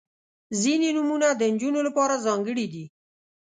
• ځینې نومونه د نجونو لپاره ځانګړي دي.